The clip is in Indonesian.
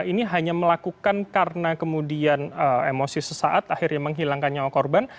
ini hanya melakukan karena kemudian emosi sesaat akhirnya menghilangkan nyawa korban